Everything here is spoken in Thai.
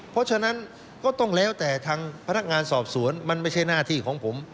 เพราะฉะนั้นก็ต้องแล้วแต่ทางพนักงานสอบสวนมันไม่ใช่หน้าที่ของผม